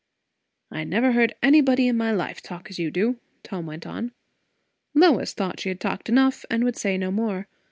"I never heard anybody in my life talk as you do," Tom went on. Lois thought she had talked enough, and would say no more.